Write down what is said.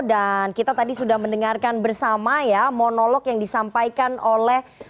dan kita tadi sudah mendengarkan bersama ya monolog yang disampaikan oleh